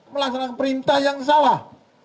melaksanakan perintah yang salah